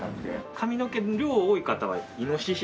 髪の毛の量多い方はイノシシですね。